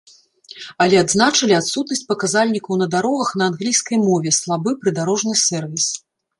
Але адзначылі адсутнасць паказальнікаў на дарогах на англійскай мове, слабы прыдарожны сервіс.